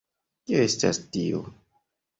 Kio estas tio??